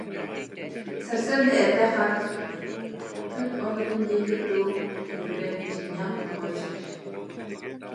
Сарсыарда эрдэ хаар түспүтэ, күн ортотун диэки тыала күүһүрэн, дьиҥнээх буурҕа түспүт